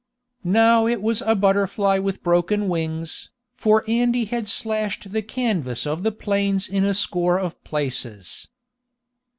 Now it was a BUTTERFLY with broken wings, for Andy had slashed the canvas of the planes in a score of places.